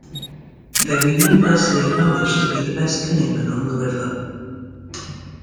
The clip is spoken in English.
They were universally acknowledged to be the best canoemen on the river.